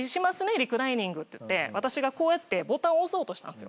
リクライニングって言って私がこうやってボタン押そうとしたんすよ。